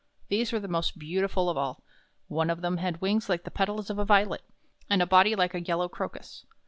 These were the most beautiful of all. One of them had wings like the petals of a violet, and a body like a yellow crocus.